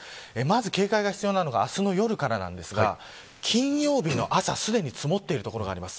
警戒が必要なのは明日の夜からですが金曜日の朝、すでに積もっている所があります。